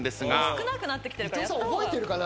少なくなってきてるから。